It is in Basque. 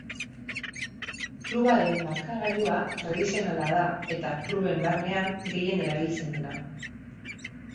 Klubaren markagailua tradizionala da eta kluben barnean gehien erabiltzen dena.